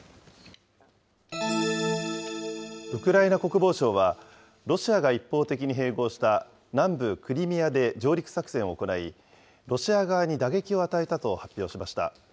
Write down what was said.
ウクライナ国防省は、ロシアが一方的に併合した南部クリミアで上陸作戦を行い、ロシア側に打撃を与えたと発表しました。